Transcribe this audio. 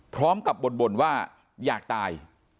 พร้อมกับบ่นว่าอยากตาย